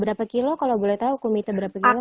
berapa kilo kalau boleh tahu kumita berapa kilo